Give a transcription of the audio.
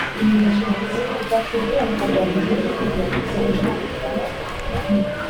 ridashingiye ku nyandiko ifite inyandiko ihuruza